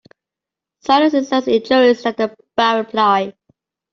Silence is less injurious than a bad reply.